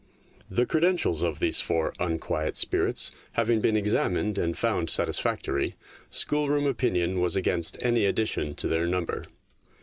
The credentials of these four unquiet spirits having been examined and found satisfactory, schoolroom opinion was against any addition to their number.